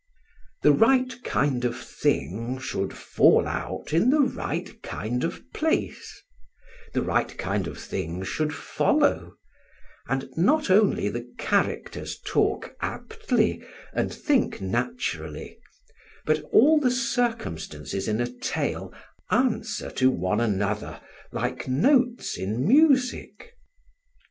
The right kind of thing should fall out in the right kind of place; the right kind of thing should follow; and not only the characters talk aptly and think naturally, but all the circumstances in a tale answer one to another like notes in music.